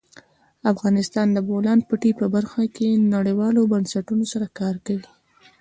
افغانستان د د بولان پټي په برخه کې نړیوالو بنسټونو سره کار کوي.